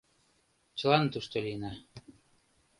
Чылан тушто лийына.